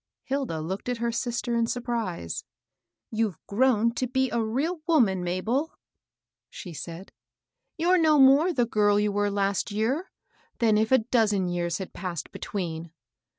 Hilda looked at her sister in surprise. " You've grown to be a real woman, Mabel," she said. " You're no more the girl you were last year, than if a dozen years had passed between.